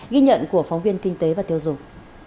ghi nhận của phóng viên kinh tế và tiêu dùng